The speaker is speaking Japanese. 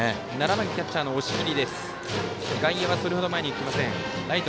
７番、キャッチャーの押切。